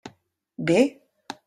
Bé?